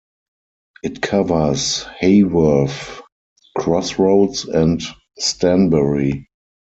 It covers Haworth, Cross Roads and Stanbury.